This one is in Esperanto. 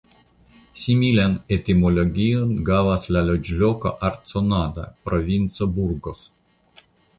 Similan etimologion havas la loĝloko Arconada (Provinco Burgos).